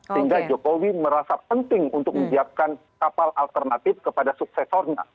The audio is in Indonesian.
sehingga jokowi merasa penting untuk menyiapkan kapal alternatif kepada suksesornya